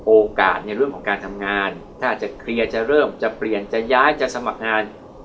โอกาสในเรื่องของการทำงานถ้าจะเคลียร์จะเริ่มจะเปลี่ยนจะย้ายจะสมัครงาน